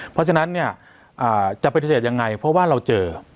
เพราะฉะนั้นเนี่ยจะปฏิเสธยังไงเพราะว่าเราเจอ